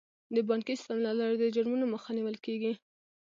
د بانکي سیستم له لارې د جرمونو مخه نیول کیږي.